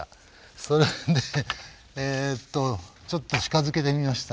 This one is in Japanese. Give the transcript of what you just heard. それでえっとちょっと近づけてみました。